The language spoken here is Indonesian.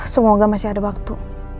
semoga masih ada waktu